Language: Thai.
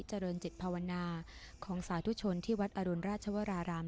เจริญจิตภาวนาของสาธุชนที่วัดอรุณราชวราราม